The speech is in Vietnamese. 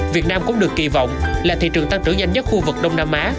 việt nam cũng được kỳ vọng là thị trường tăng trưởng nhanh nhất khu vực đông nam á